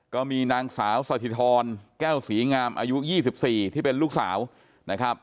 ก็มีนางสาวสถิธรแก้วศรีงามอายุ๒๔ที่เป็นลูกสาวนะครับ